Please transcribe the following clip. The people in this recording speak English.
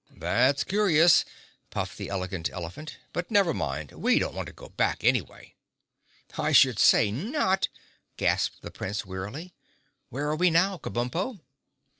"That's curious," puffed the Elegant Elephant. "But never mind. We don't want to go back anyway." "I should say not," gasped the Prince wearily. "Where are we now, Kabumpo?"